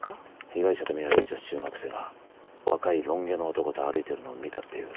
被害者と見られる女子中学生が若いロン毛の男と歩いてるのを見たっていう。